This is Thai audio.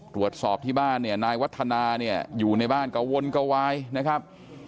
ตรวจสอบที่บ้านเนี่ยนายวัฒนาเนี่ยอยู่ในบ้านกระวนกระวายนะครับ